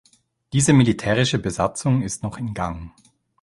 Diese militärische Besatzung ist noch in Gang.